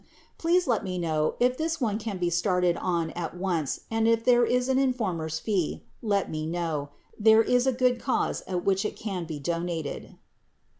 . Please let me know if this one can be started on at once and if there is an informer's fee, let me know. There is a good cause at which it can be donated."